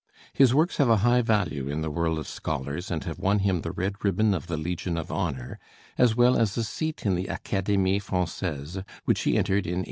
His works have a high value in the world of scholars, and have won him the red ribbon of the Legion of Honor, as well as a seat in the Académie Française, which he entered in 1876.